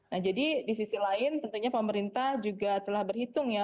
nah jadi di sisi lain tentunya pemerintah juga telah berhitung ya